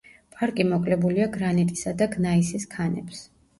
პარკი მოკლებულია გრანიტისა და გნაისის ქანებს.